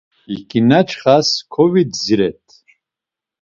İǩinaçxas kovidziret.